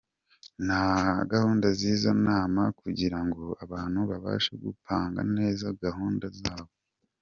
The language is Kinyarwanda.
Na gahunda z’ izo nama kugira ngo abantu babashe gupanga neza gahunda zabo”.